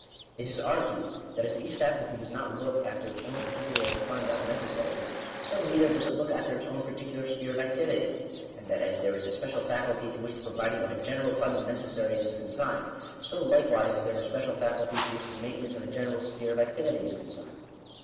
It is argued, that as each faculty does not look after its own particular fund of necessaries, so neither does it look after its own particular sphere of activity; and that as there is a special faculty to which the providing of a general fund of necessaries is consigned, so likewise is there a special faculty to which the maintenance of a general sphere of activity is consigned.